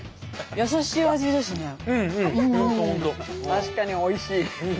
確かにおいしい！